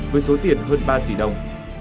với số tiền hơn ba tỷ đồng